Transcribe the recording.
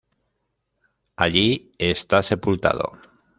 Allí está sepultado.